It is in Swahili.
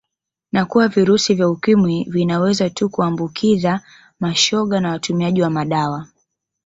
Na kuwa virusi vya Ukimwi vinaweza tu kuambukiza mashoga na watumiaji wa madawa